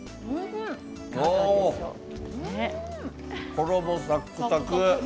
衣、サクサク。